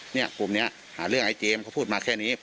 เนี่ยกลุ่มนี้หาเรื่องไอเจมส์เขาพูดมาแค่นี้